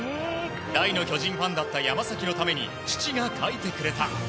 大の巨人ファンだった山崎のために父が書いてくれた。